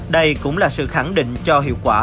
đây cũng là sự khẳng định cho hiệu quả